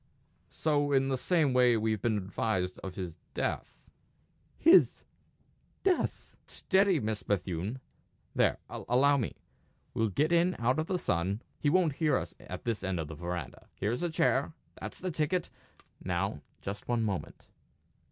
"So in the same way we've been advised of his death." "His death!" "Steady, Miss Bethune! There allow me. We'll get in out of the sun; he won't hear us at this end of the verandah. Here's a chair. That's the ticket! Now, just one moment."